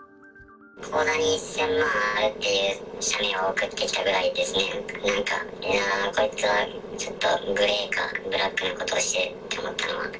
口座に１０００万あるという写メを送ってきたぐらいですね、なんかこいつはちょっとグレーかブラックなことをしているなと思った。